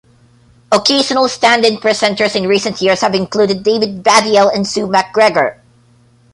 Occasional stand-in presenters in recent years have included David Baddiel and Sue MacGregor.